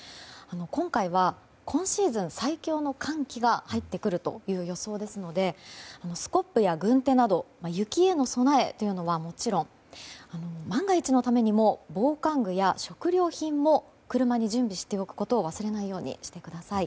今回は今シーズン最強の寒気が入ってくるという予想ですのでスコップや軍手など雪への備えというのはもちろん万が一のためにも防寒具や食料品も車に準備しておくことを忘れないようにしてください。